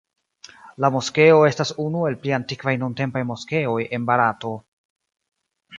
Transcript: La moskeo estas unu el pli antikvaj nuntempaj moskeoj en Barato.